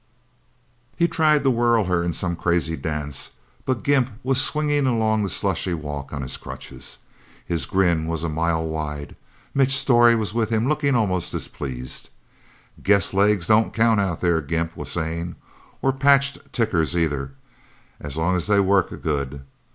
He tried to whirl her in some crazy dance, but Gimp was swinging along the slushy walk on his crutches. His grin was a mile wide. Mitch Storey was with him, looking almost as pleased. "Guess legs don't count, Out There," Gimp was saying. "Or patched tickers, either, as long as they work good!